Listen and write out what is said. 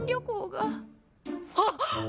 はっ！